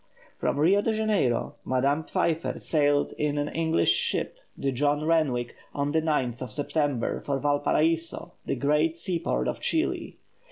From Rio Janeiro Madame Pfeiffer sailed in an English ship, the John Renwick, on the 9th of September, for Valparaiso, the great sea port of Chili.